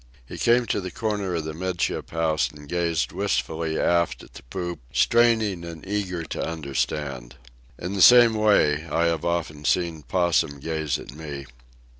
He came to the corner of the 'midship house and gazed wistfully aft at the poop, straining and eager to understand. In the same way I have often seen Possum gaze at me.